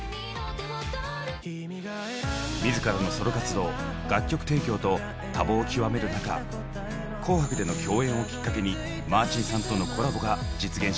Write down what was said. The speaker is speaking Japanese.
自らのソロ活動楽曲提供と多忙を極める中「紅白」での共演をきっかけにマーチンさんとのコラボが実現しました。